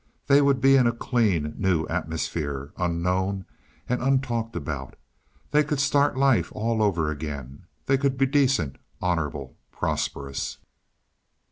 They would be in a clean, new atmosphere, unknown and untalked about. They could start life all over again; they could be decent, honorable, prosperous.